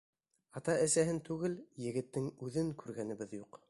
Ата-әсәһен түгел, егеттең үҙен күргәнебеҙ юҡ.